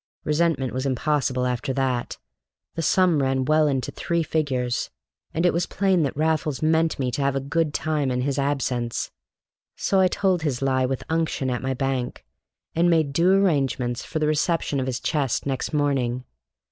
Resentment was impossible after that. The sum ran well into three figures, and it was plain that Raffles meant me to have a good time in his absence. So I told his lie with unction at my bank, and made due arrangements for the reception of his chest next morning.